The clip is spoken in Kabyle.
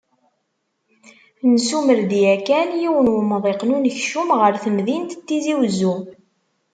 nesumer-d yakan yiwen n umḍiq n unekcum ɣar temdint n Tizi Uzzu.